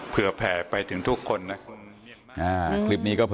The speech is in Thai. เผื่อแพร่ไปถึงทุกคนนะ